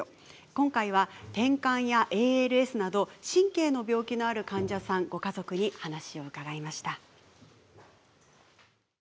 今回はてんかんやＡＬＳなど神経の病気のある患者さんご家族に話を伺いました。